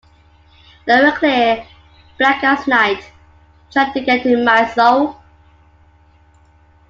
They were clear, black as night, trying to get into my soul.